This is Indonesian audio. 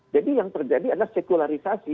jadi yang terjadi adalah sekularisasi